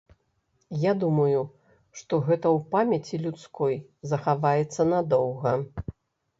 Я думаю, што гэта ў памяці людской захаваецца надоўга.